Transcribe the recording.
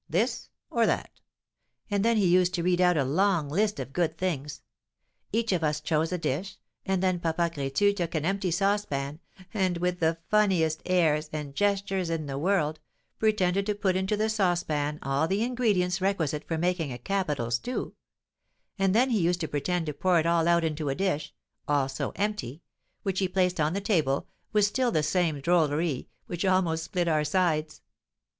This, or that?' And then he used to read out a long list of good things. Each of us chose a dish, and then Papa Crétu took an empty saucepan, and, with the funniest airs and gestures in the world, pretended to put into the saucepan all the ingredients requisite for making a capital stew; and then he used to pretend to pour it all out into a dish also empty which he placed on the table, with still the same drolleries, which almost split our sides.